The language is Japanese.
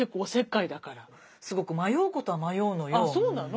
あっそうなの？